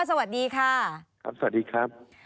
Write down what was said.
สวัสดีคะ